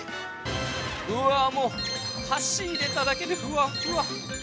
うわっ、もう、箸入れただけでふわふわ。